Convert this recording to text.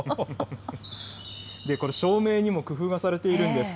これ、照明にも工夫がされているんです。